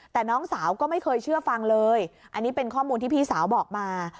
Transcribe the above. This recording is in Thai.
แต่น้องสาวก็ไม่เคยเชื่อฟังเลยอันนี้เป็นข้อมูลที่พี่สาวบอกมา